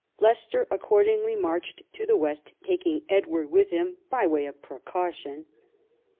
Leicester accordingly marched to the west, taking Edward with him by way of precaution.